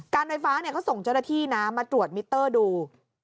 การไฟฟ้าเขาส่งเจ้าหน้าที่นะมาตรวจมิเตอร์ดู